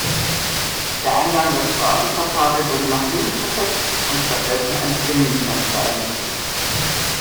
Der Eingang der Straßenfassade wurde nach links versetzt und stattdessen ein Zwillingsfenster eingefügt.